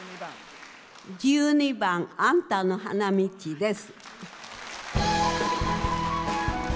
１２番「あんたの花道」です。